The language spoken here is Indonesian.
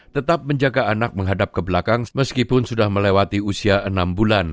tetap menjaga anak menghadap ke belakang meskipun sudah melewati usia enam bulan